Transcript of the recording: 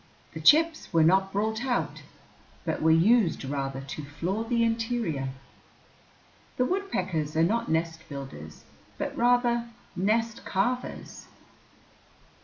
The chips were not brought out, but were used rather to floor the interior. The woodpeckers are not nest builders, but rather nest carvers.